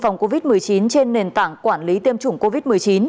phòng covid một mươi chín trên nền tảng quản lý tiêm chủng covid một mươi chín